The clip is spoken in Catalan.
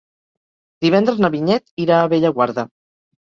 Divendres na Vinyet irà a Bellaguarda.